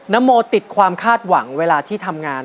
โมติดความคาดหวังเวลาที่ทำงาน